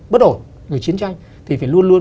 bất ổn người chiến tranh thì phải luôn luôn